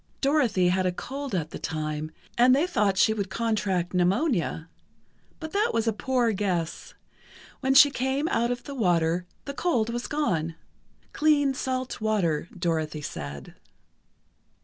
Dorothy had a cold at the time, and they thought she would contract pneumonia. But that was a poor guess. When she came out of the water, the cold was gone. Clean, salt water, Dorothy said.